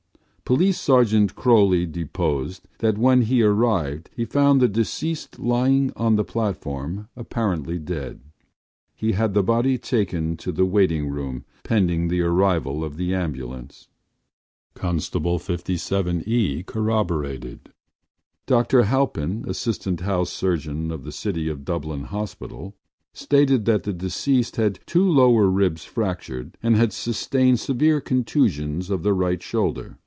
” Police Sergeant Croly deposed that when he arrived he found the deceased lying on the platform apparently dead. He had the body taken to the waiting room pending the arrival of the ambulance. Constable 57E corroborated. Dr Halpin, assistant house surgeon of the City of Dublin Hospital, stated that the deceased had two lower ribs fractured and had sustained severe contusions of the right shoulder.